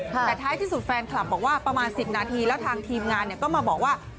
แต่ท้ายที่สุดแฟนคลับบอกว่าประมาณ๑๐นาทีแล้วทางทีมงานก็มาบอกว่า